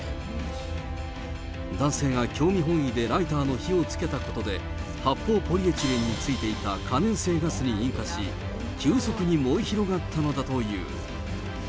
男性が興味本位でライターの火をつけたことで、発泡ポリエチレンについていた可燃性ガスに引火し、急速に燃え広がったのだという。